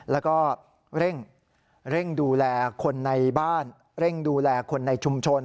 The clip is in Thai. แล้วก็เร่งดูแลคนในบ้านเร่งดูแลคนในชุมชน